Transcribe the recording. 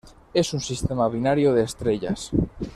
Es un sistema binario de estrellas.